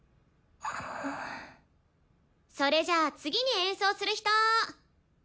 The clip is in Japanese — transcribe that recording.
それじゃあ次に演奏する人。